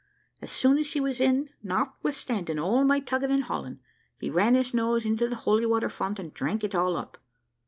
As soon as he was in, notwithstanding all my tugging and hauling, he ran his nose into the holy water font, and drank it all up.